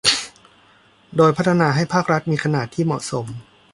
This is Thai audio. โดยพัฒนาให้ภาครัฐมีขนาดที่เหมาะสม